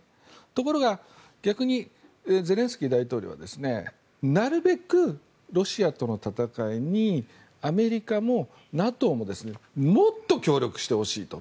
ところが逆にゼレンスキー大統領はなるべくロシアとの戦いにアメリカもＮＡＴＯももっと協力してほしいと。